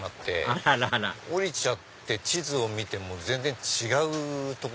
あららら降りちゃって地図を見ても全然違う所なんで。